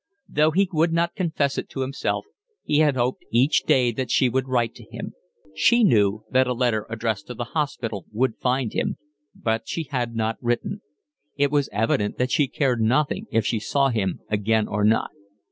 Though he would not confess it to himself, he had hoped each day that she would write to him; she knew that a letter addressed to the hospital would find him; but she had not written: it was evident that she cared nothing if she saw him again or not.